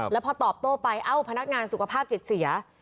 แล้วพอตอบโต้ไปเอ้าพนักงานสุขภาพจิตเสีย